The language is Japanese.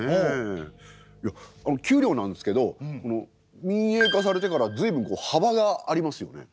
いや給料なんですけど民営化されてからずいぶんはばがありますよね。